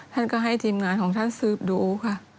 ท่านก็ให้ทีมงานของท่านสืบดูค่ะ